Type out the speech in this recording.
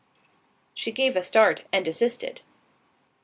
—She gave a start, and desisted.